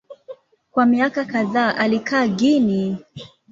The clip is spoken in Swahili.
Kwa miaka kadhaa alikaa Guinea.